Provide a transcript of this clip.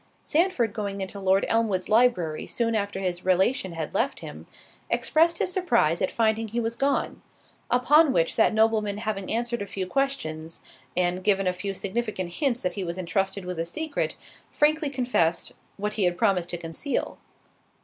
Sandford going into Lord Elmwood's library soon after his relation had left him, expressed his surprise at finding he was gone; upon which that nobleman having answered a few questions, and given a few significant hints that he was entrusted with a secret, frankly confessed, what he had promised to conceal.